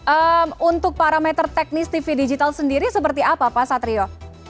untuk parameter teknis tv digital sendiri seperti apa pak satrio